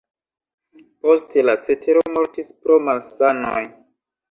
Poste, la cetero mortis pro malsanoj.